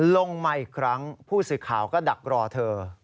ลงมาอีกครั้งผู้สื่อข่าวก็ดักรอเธอ